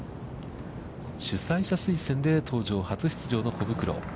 主催者推薦で登場、初出場の小袋。